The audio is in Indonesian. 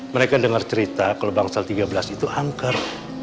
mereka dengar cerita kalau bangsal tiga belas itu angker